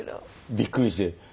びっくりして。